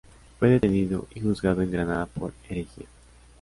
Fue detenido y juzgado en Granada por herejía.